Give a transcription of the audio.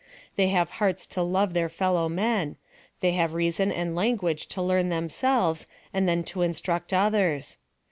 They have hearts to love their fellow men : they have reason and lan guage to learn themselves, and then to instruct others.